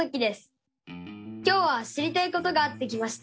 今日は知りたいことがあって来ました。